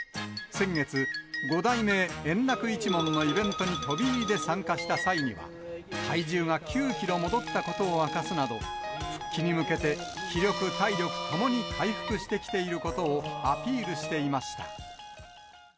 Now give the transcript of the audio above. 先月、五代目圓楽一門のイベントに飛び入りで参加した際には、体重が９キロ戻ったことを明かすなど、復帰に向けて気力、体力ともに回復してきていることをアピールしていました。